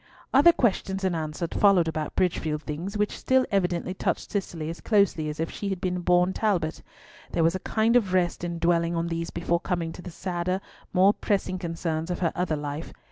Other questions and answers followed about Bridgefield tidings, which still evidently touched Cicely as closely as if she had been a born Talbot. There was a kind of rest in dwelling on these before coming to the sadder, more pressing concern of her other life.